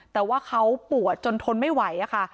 แต่ว่าเขาปวดจนทนไม่ไหวค่ะ